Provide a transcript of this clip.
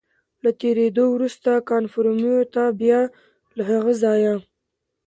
له تېرېدو وروسته کاموفورمیو ته، بیا له هغه ځایه.